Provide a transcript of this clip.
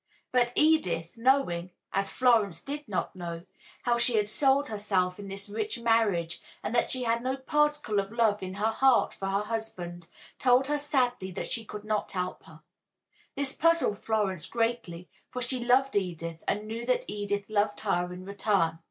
But Edith, knowing (as Florence did not know) how she had sold herself in this rich marriage and that she had no particle of love in her heart for her husband, told her sadly that she could not help her. This puzzled Florence greatly, for she loved Edith and knew that Edith loved her in return.